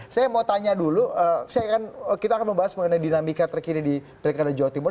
saya mau tanya dulu kita akan membahas mengenai dinamika terkini di pilkada jawa timur